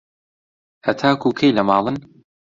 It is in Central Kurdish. هەتاکوو کەی لە ماڵن؟